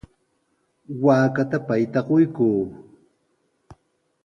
Waakata payta quykuu.